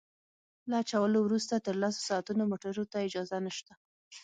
له اچولو وروسته تر لسو ساعتونو موټرو ته اجازه نشته